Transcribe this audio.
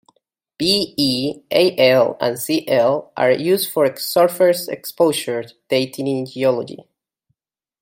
Be, Al, and Cl are used for surface exposure dating in geology.